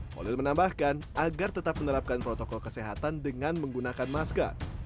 holil menambahkan agar tetap menerapkan protokol kesehatan dengan menggunakan masker